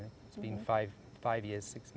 sudah selama lima tahun